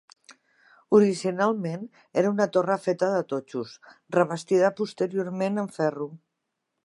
Originalment era una torre feta de totxos, revestida posteriorment amb ferro.